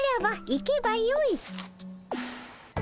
行けばよい？